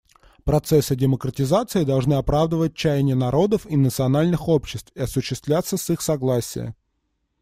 Процессы демократизации должны оправдывать чаяния народов и национальных обществ и осуществляться с их согласия.